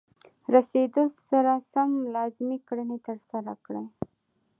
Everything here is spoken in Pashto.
رسیدو سره سم لازمې کړنې ترسره کړئ.